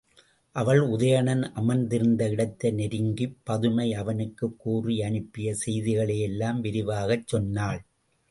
அவள் உதயணன் அமர்ந்திருந்த இடத்தை நெருங்கிப் பதுமை அவனுக்குக் கூறி அனுப்பிய செய்திகளை எல்லாம் விரிவாகச் சொன்னாள்.